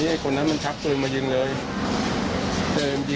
มีการฆ่ากันห้วย